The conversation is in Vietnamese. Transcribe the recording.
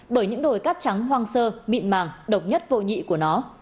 bởi những đồi cát trắng hoang sơ mịn màng độc nhất vô nhị của nó